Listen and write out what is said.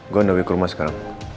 gue naik ke rumah sekarang